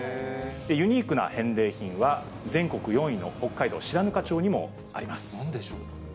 ユニークな返礼品は、全国４位の北海道白糠町にもあります。